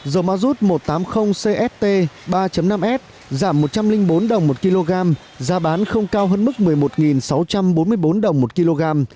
dầu mazut một trăm tám mươi cst ba năm s giảm một trăm linh bốn đồng một kg giá bán không cao hơn mức một mươi một sáu trăm bốn mươi bốn đồng một kg